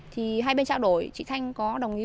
thì hai bên trao đổi